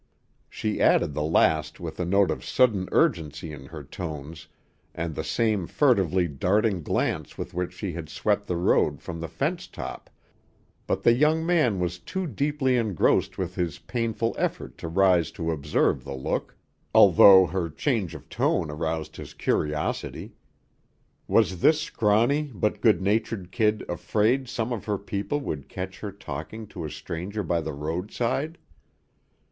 She added the last with a note of sudden urgency in her tones and the same furtively darting glance with which she had swept the road from the fence top, but the young man was too deeply engrossed with his painful effort to rise to observe the look, although her change of tone aroused his curiosity. Was this scrawny but good natured kid afraid some of her people would catch her talking to a stranger by the roadside?